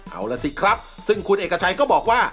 เอาล่ะสิครับซึ่งคุณเอกชัยก็บอกว่า